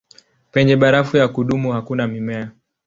Penye barafu ya kudumu hakuna mimea.